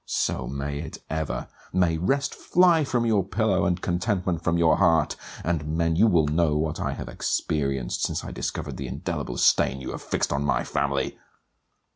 So may it ever! May rest fly from your pillow and contentment from your heart; and men you will know what I have experienced, since I discovered the indelible stain you have fixed on my family.